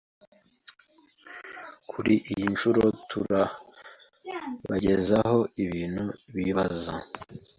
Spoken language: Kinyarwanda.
kuri iyi nshuro turabagezaho bitanu bibanza